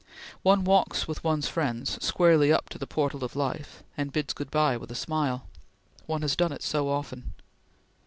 One walks with one's friends squarely up to the portal of life, and bids good bye with a smile. One has done it so often!